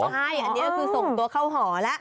ใช่อันนี้ก็คือส่งตัวเข้าหอแล้ว